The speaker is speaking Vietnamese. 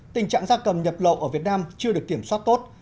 tình trạng gia cầm nhập lậu ở việt nam chưa được kiểm soát tốt